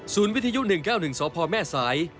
ศูนย์วิทยุ๑๙๑ทราบพ่อแม่สาย